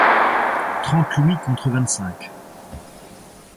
Trente louis contre vingt-cinq.